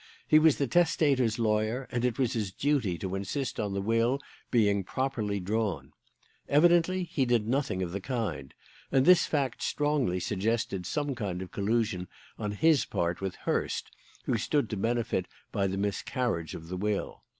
He was the testator's lawyer, and it was his duty to insist on the will being properly drawn. Evidently he did nothing of the kind, and this fact strongly suggested some kind of collusion on his part with Hurst, who stood to benefit by the miscarriage of the will.